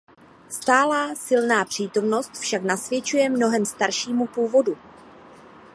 Stálá silná přítomnost však nasvědčuje mnohem staršímu původu.